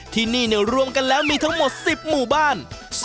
ที่นี่รวมกันแล้วมีทั้งหมด๑๐หมู่บ้าน